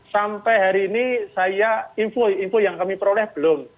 sampai hari ini saya info info yang kami peroleh belum